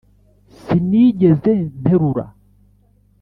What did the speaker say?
sinigeze nterura